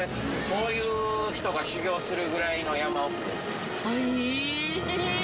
そういう人が修行するぐらいの山奥です。え？